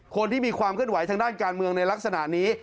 คนที่มีความเคลื่อนไหวทางด้านการเมืองในลักษณะนี้